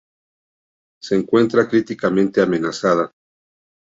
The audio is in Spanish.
Se encuentra críticamente amenazada.